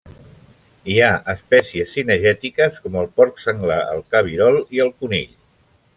Hi ha espècies cinegètiques com el porc senglar, el cabirol i el conill.